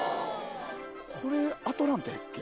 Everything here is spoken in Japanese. これアトランタやったっけ？